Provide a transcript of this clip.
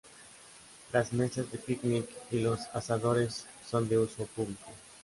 Las mesas de picnic y los asadores son de uso público.